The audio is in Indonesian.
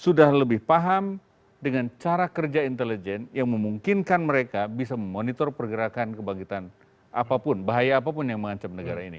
sudah lebih paham dengan cara kerja intelijen yang memungkinkan mereka bisa memonitor pergerakan kebangkitan apapun bahaya apapun yang mengancam negara ini